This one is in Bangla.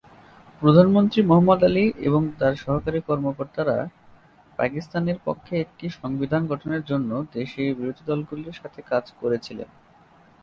প্রধানমন্ত্রী মুহাম্মদ আলী এবং তাঁর সরকারী কর্মকর্তারা পাকিস্তানের পক্ষে একটি সংবিধান গঠনের জন্য দেশের বিরোধী দলগুলির সাথে কাজ করেছিলেন।